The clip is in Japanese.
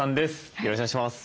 よろしくお願いします。